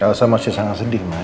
elsa masih sangat sedih mak